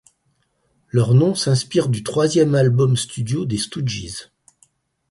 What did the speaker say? Leur nom s'inspire du troisième album studio des Stooges.